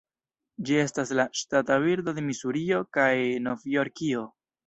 Ĝi estas la ŝtata birdo de Misurio kaj Novjorkio.